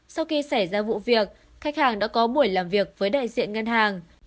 sau khi xảy ra vụ việc khách hàng đã có buổi làm việc với đại diện ngân hàng